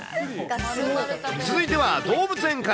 続いては動物園から。